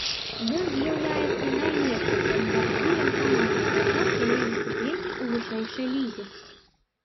Ён з'яўляецца найлепшым бамбардзірам каманды за час яе выступлення ў вышэйшай лізе.